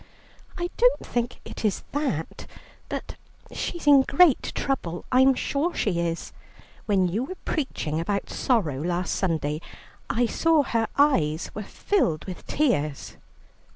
"I don't think it is that, but she's in great trouble, I'm sure she is. When you were preaching about sorrow last Sunday, I saw her eyes were filled with tears."